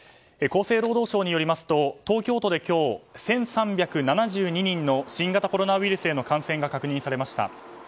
厚生労働省によりますと東京都で今日１３７２人の新型コロナウイルスへの感染が確認されました。